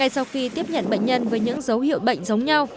sau khi tiếp nhận bệnh nhân với những dấu hiệu bệnh giống nhau